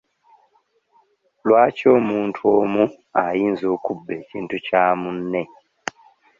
Lwaki omuntu omu ayinza okubba ekintu kya munne?